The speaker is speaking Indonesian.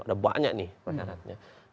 ada banyak nih peranan peranan